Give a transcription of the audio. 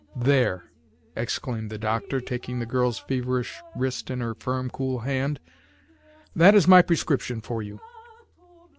"There!" exclaimed the doctor, taking the girl's feverish wrist in her firm, cool hand. "That is my prescription for you.